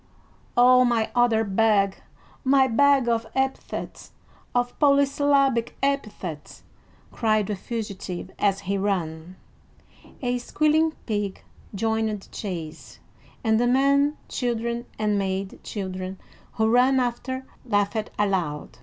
"Oh, my other bag, my bag of epithets, of polysyllabic epithets!" cried the fugitive as he ran. A squealing pig joined the chase, and the men children and maid children who ran after laughed aloud.